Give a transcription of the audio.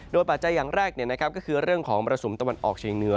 ปัจจัยอย่างแรกก็คือเรื่องของมรสุมตะวันออกเชียงเหนือ